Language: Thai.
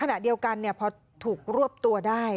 ขณะเดียวกันเนี่ยเพราะถูกรอบตัวได้